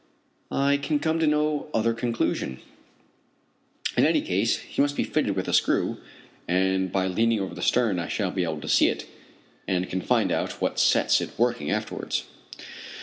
I can come to no other conclusion. In any case she must be fitted with a screw, and by leaning over the stern I shall be able to see it, and can find out what sets it working afterwards.